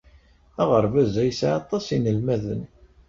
Aɣerbaz-a yesɛa aṭas n yinelmaden.